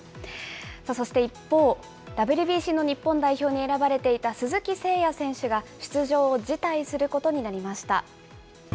そして一方、ＷＢＣの日本代表に選ばれていた鈴木誠也選手が、出場を辞退することになりました。